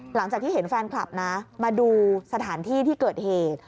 หลังจากที่เห็นแฟนคลับนะมาดูสถานที่ที่เกิดเหตุ